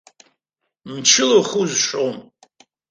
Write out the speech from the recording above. Мчыла ухы узшом.